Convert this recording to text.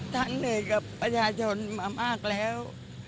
เหนื่อยกับประชาชนมามากแล้ว